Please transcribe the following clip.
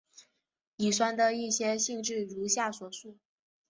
乙酸的一些性质如下所述。